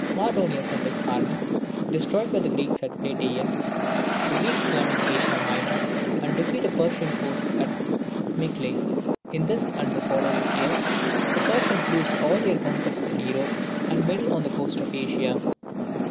Mardonius and his army destroyed by the Greeks at Plataea The Greeks land in Asia Minor, and defeat a Persian force at Mycale. In this and the following years the Persians lose all their conquests in Europe, and many on the coast of Asia.